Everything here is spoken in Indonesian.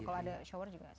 kalau ada shower juga